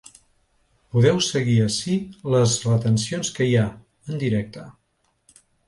Podeu seguir ací les retencions que hi ha, en directe.